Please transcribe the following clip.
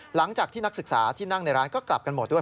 หลังจากที่นักศึกษาที่นั่งในร้านก็กลับกันหมดด้วย